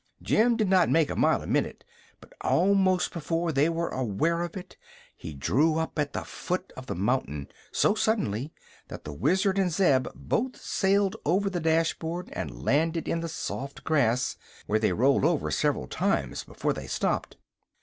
Jim did not make a mile a minute; but almost before they were aware of it he drew up at the foot of the mountain, so suddenly that the Wizard and Zeb both sailed over the dashboard and landed in the soft grass where they rolled over several times before they stopped.